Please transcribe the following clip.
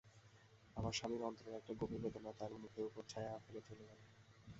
আমার স্বামীর অন্তরের একটি গভীর বেদনা তাঁর মুখের উপর ছায়া ফেলে চলে গেল।